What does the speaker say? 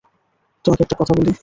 তোমাকে একটা কথা বলি?